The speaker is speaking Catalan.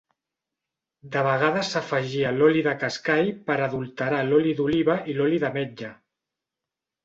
De vegades s'afegia l'oli de cascall per adulterar l'oli d'oliva i l'oli d'ametlla.